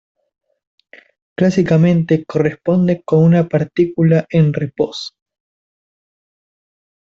Clásicamente corresponde con una partícula en reposo.